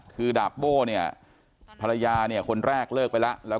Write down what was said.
คือดาบโบ้เนี่ยภรรยาเนี่ยคนแรกเลิกไปแล้ว